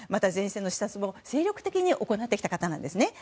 前線の視察も精力的に行ってきた方なんです。